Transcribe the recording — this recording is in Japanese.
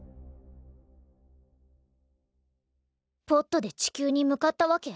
ポッドで地球に向かったわけ？